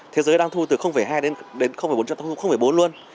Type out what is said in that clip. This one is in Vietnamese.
thế giới đang thu từ hai đến bốn chúng ta thu bốn luôn